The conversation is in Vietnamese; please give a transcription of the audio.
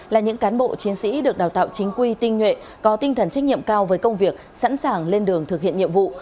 là những cán bộ chiến sĩ được đào tạo chính quy tinh nhuệ có tinh thần trách nhiệm cao với công việc sẵn sàng lên đường thực hiện nhiệm vụ